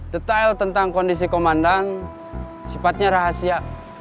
detail tentang kondisi komandan sifatnya rahasia